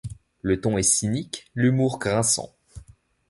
Le ton est cynique, l'humour grinçant.